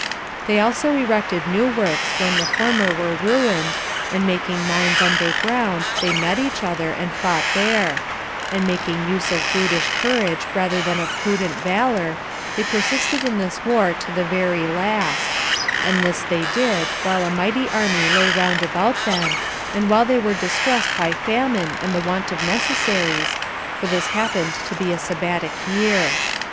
They also erected new works when the former were ruined, and making mines underground, they met each other, and fought there; and making use of brutish courage rather than of prudent valor, they persisted in this war to the very last; and this they did while a mighty army lay round about them, and while they were distressed by famine and the want of necessaries, for this happened to be a Sabbatic year.